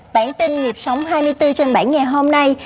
bản tin nhịp sống hai mươi bốn trên bảy ngày hôm nay